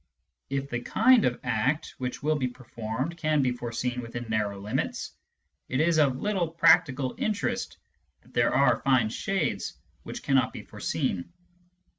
If the kind of act which will be performed can be foreseen within narrow limits, it is of little practical interest that there are fine shades which cannot be foreseen.